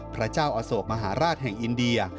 พระเจ้าอโศกมหาราชแห่งอินเดีย